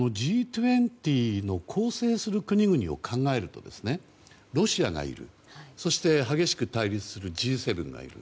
このＧ２０の構成する国々を考えるとロシアがいるそして激しく対立するＧ７がいる。